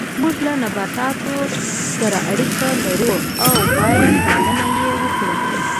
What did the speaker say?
موږ له نباتاتو سره اړیکه لرو او باید پالنه یې وکړو